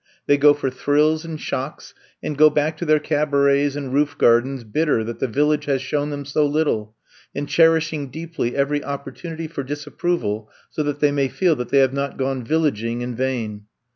They go for thrills and shocks, and go back to their cabarets and roof gardens bitter that the Village has shown them so little, and cherishing deeply every oppor tunity for disapproval so that they may feel that they have not gone villaging in vain.